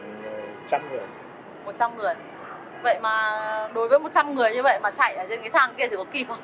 một trăm linh người vậy mà đối với một trăm linh người như vậy mà chạy ở trên cái thang kia thì có kìm không